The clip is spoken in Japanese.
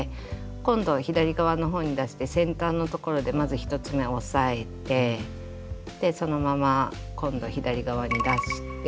今度は左側の方に出して先端のところでまず１つ目押さえてそのまま今度左側に出して。